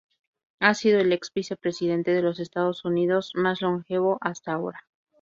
Ha sido el ex-vicepresidente de los Estados Unidos más longevo hasta ahora.